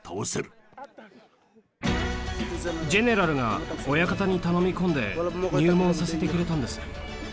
ジェネラルが親方に頼み込んで入門させてくれたんです。